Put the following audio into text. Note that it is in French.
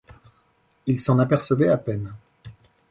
Il s’en apercevait à peine.